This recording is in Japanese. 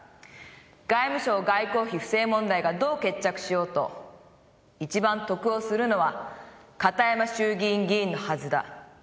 「外務省外交費不正問題がどう決着しようと一番得をするのは片山衆議院議員のはずだ」。